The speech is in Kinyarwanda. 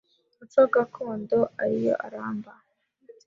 muco gakondo ari yo aramba